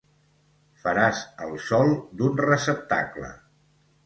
Faràs el sòl d'un receptacle.